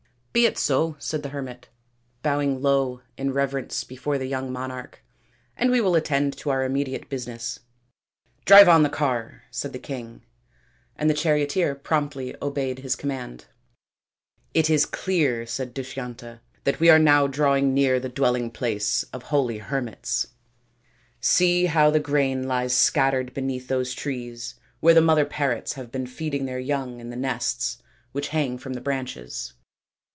" Be it so," said the hermit, bowing low in reverence before the young monarch, " and we will attend to our immediate business." " Drive on the car," said the king, and the charioteer promptly obeyed his command. " It is clear," said Dushyanta, " that we are now drawing near the dwelling place of holy hermits. See how the grain lies scattered beneath those trees where the mother parrots have been feeding their young in the nests which hang from the branches.